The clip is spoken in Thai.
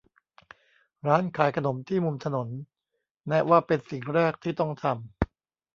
ร้านขายขนมที่มุมถนน แนะว่าเป็นสิ่งแรกที่ต้องทำ